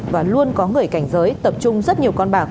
và luôn có người cảnh giới tập trung rất nhiều con bạc